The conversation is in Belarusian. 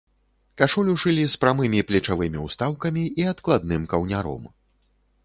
Кашулю шылі з прамымі плечавымі ўстаўкамі і адкладным каўняром.